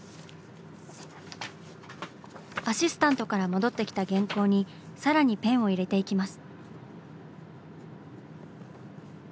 アシスタントから戻ってきた原稿にさらにペンを入れていきます。